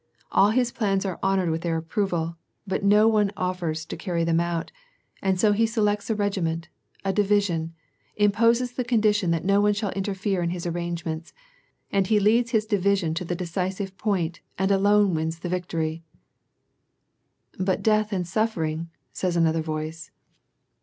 All his plans are honored with their approval, but no one offers to carry them out, and so he selects a regiment, a division, imposes the condition that no one shall interfere in Ws arrangements, and he leads his division to the decisive point, and alone wins the victory !" But death and suffering ?" says another voice.